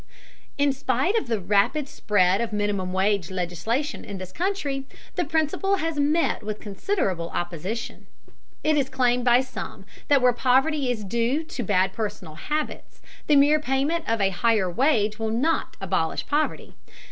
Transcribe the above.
In spite of the rapid spread of minimum wage legislation in this country, the principle has met with considerable opposition. It is claimed by some that where poverty is due to bad personal habits, the mere payment of a higher wage will not abolish poverty.